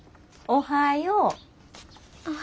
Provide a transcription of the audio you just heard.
おはよう。